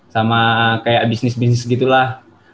sama kayak bisnis bisnis gitu lah